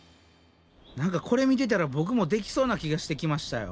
何かこれ見てたらボクもできそうな気がしてきましたよ。